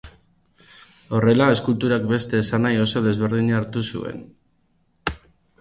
Horrela eskulturak beste esanahi oso desberdina hartu zuen.